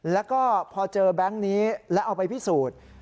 แล้วก็พอเจอแบงค์นี้แล้วเอาไปพิสูจน์